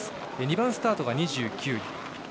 ２番スタートが２９位。